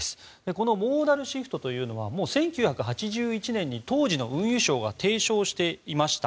このモーダルシフトというのはもう１９８１年に当時の運輸省が提唱していました。